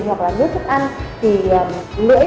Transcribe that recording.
hoặc là nước thức ăn thì lưỡi